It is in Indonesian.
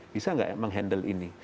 bisa nggak menghandle ini